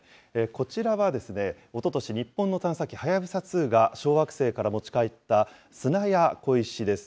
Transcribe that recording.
こちらは、おととし、日本の探査機はやぶさ２が、小惑星から持ち帰った砂や小石です。